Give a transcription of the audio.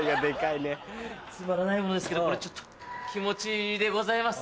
つまらないものですけどこれ気持ちでございます。